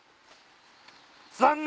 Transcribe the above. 残念！